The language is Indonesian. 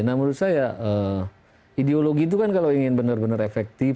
nah menurut saya ideologi itu kan kalau ingin benar benar efektif